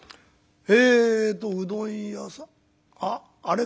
えっとうどん屋さんあっあれかな？